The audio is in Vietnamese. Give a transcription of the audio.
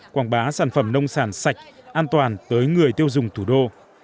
quảng bá sản phẩm nông sản sạch an toàn tới người tiêu dùng thủ đô